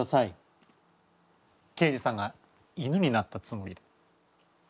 刑事さんが犬になったつもりで。